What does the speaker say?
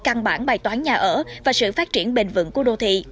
căn bản bài toán nhà ở và sự phát triển bền vững của đô thị